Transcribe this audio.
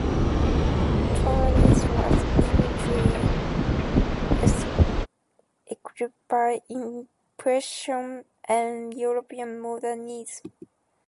Tonalism was eventually eclipsed by Impressionism and European modernism.